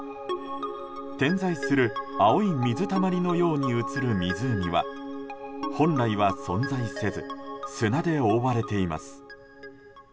点在する青い水たまりのように映る湖は本来は存在せず砂で覆われています。